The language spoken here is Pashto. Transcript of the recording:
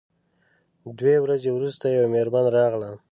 دوې ورځې وروسته یوه میرمن راغله.